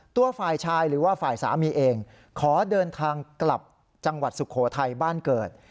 ตัวฝ่ายชายหรือว่าฝ่ายสามีเองขอเดินทางกลับจังหวัดสุโขทัยบ้านเกิด